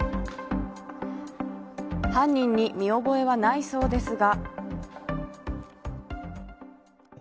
犯人に見覚えはないそうですが。